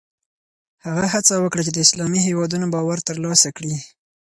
هغه هڅه وکړه د اسلامي هېوادونو باور ترلاسه کړي.